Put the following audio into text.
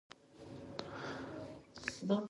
آیا سهار به د دې اسرار په اړه کومه بله نښه راوړي؟